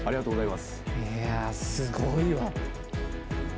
いやあ、すごいわ。